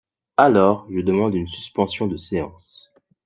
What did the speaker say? Alors je demande une suspension de séance